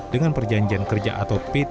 dengan perjanjian kerja atau p tiga k